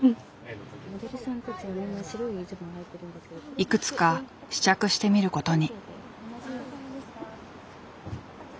いくつか試着してみることに。